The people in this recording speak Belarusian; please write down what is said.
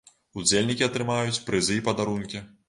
Удзельнікі атрымаюць прызы і падарункі.